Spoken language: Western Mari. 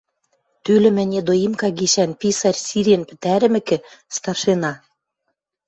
Тӱлӹмӹ недоимка гишӓн писарь сирен пӹтӓрӹмӹкӹ, старшина: